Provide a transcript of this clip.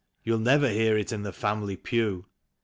(You'll never hear it in the family pew.)